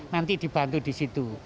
nanti dibantu di situ